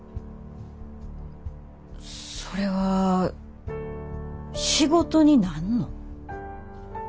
それは仕事になんの？